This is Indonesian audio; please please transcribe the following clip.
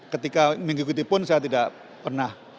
ketika mengikuti pun saya tidak pernah